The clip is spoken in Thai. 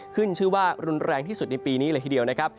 ขึ้นชื่อว่ารุนแรงที่สุดในปีนี้เลยทีเดียวนะครับ